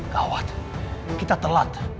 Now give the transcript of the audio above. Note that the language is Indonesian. gawat kita telat